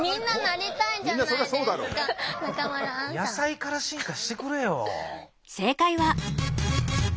野菜から進化してくれよ。